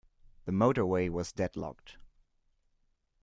The motorway was deadlocked.